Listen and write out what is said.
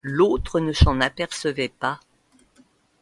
L’autre ne s’en apercevait pas.